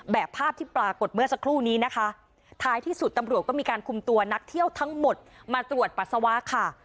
แบบภาพที่ปรากฏเมื่อสักครู่นี้นะคะท้ายที่สุดตำรวจก็มีการคุมตัวนักเที่ยวทั้งหมดมาตรวจปัสสาวะค่ะ